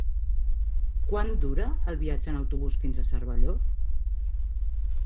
Quant dura el viatge en autobús fins a Cervelló?